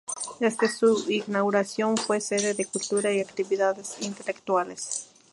Desde su inauguración fue sede de cultura y actividades intelectuales.